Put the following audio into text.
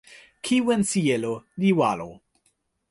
kiwen sijelo li walo.